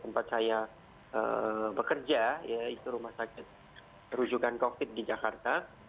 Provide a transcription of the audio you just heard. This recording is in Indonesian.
tempat saya bekerja ya itu rumah sakit rujukan covid di jakarta